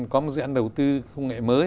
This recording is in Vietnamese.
có dự án đầu tư công nghệ mới